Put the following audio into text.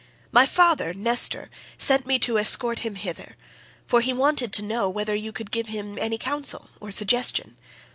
My father, Nestor, sent me to escort him hither, for he wanted to know whether you could give him any counsel or suggestion.